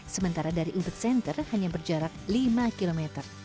sementara dari uber center hanya berjarak lima km